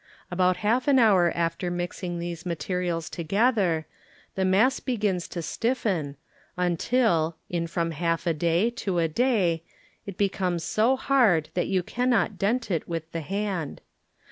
About half an hour after mixing these materials together, the mass begins to stiffen, until, in from half a day to a day, it be comes so hard that you cannot dent it with the hand.